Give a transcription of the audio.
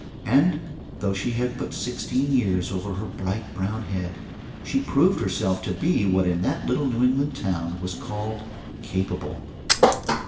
And though she had but sixteen years over her bright brown head, she proved herself to be what in that little New England town was called "capable."